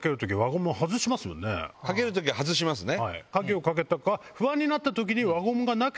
かける時外しますね。